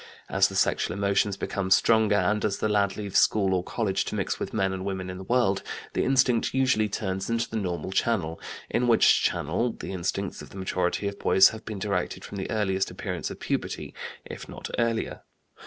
As the sexual emotions become stronger, and as the lad leaves school or college to mix with men and women in the world, the instinct usually turns into the normal channel, in which channel the instincts of the majority of boys have been directed from the earliest appearance of puberty, if not earlier.